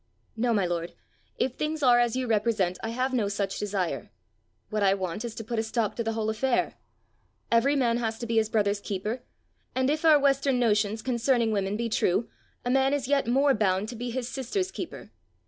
"No, my lord; if things are as you represent, I have no such desire. What I want is to put a stop to the whole affair. Every man has to be his brother's keeper; and if our western notions concerning women be true, a man is yet more bound to be his sister's keeper.